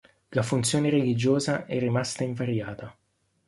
La funzione religiosa è rimasta invariata.